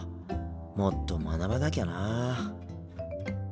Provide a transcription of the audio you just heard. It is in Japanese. もっと学ばなきゃな。